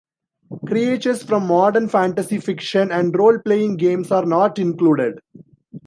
Creatures from modern fantasy fiction and role-playing games are not included.